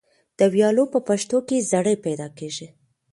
د ویالو په پشتو کې زرۍ پیدا کیږي.